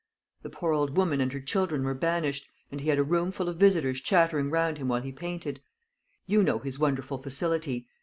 The poor little woman and her children were banished; and he had a room full of visitors chattering round him while he painted. You know his wonderful facility.